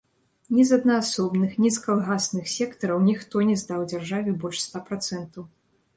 Ні з аднаасобных, ні з калгасных сектараў ніхто не здаў дзяржаве больш ста працэнтаў.